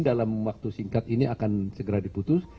dalam waktu singkat ini akan segera diputus